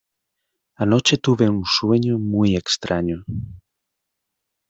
Anoche tuve un sueño muy extraño.